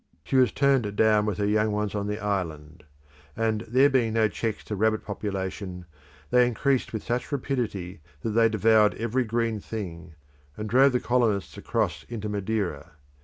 She was turned down with her young ones on the island, and, there being no checks to rabbit population, they increased with such rapidity that they devoured every green thing, and drove the colonists across into Madeira.